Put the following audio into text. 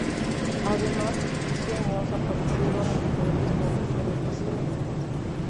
Además sus diseños aparecieron en diferentes producciones de cine.